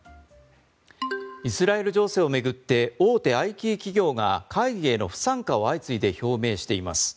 イスラエル情勢を巡って大手ＩＴ企業が会議への不参加を相次いで表明しています。